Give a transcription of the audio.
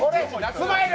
スマイル？